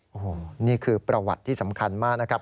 โอ้โหนี่คือประวัติที่สำคัญมากนะครับ